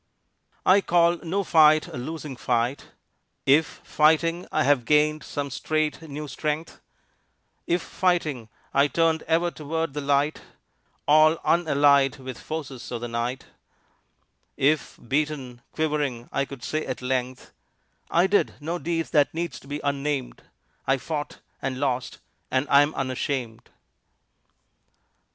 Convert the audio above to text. I call no fight a losing fight If, fighting, I have gained some straight new strength; If, fighting, I turned ever toward the light, All unallied with forces of the night; If, beaten, quivering, I could say at length: "I did no deed that needs to be unnamed; I fought and lost and I am unashamed."